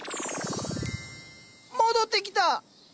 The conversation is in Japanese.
戻ってきた！